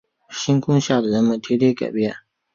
星空下的人们天天改变